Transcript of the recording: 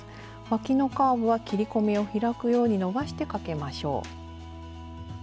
わきのカーブは切り込みを開くように伸ばしてかけましょう。